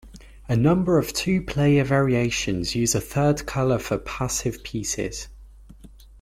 A number of two-player variations use a third colour for passive pieces.